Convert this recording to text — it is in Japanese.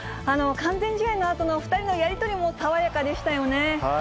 完全試合のあとの２人のやり取りも爽やかでしたよね。